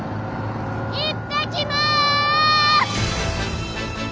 行ってきます！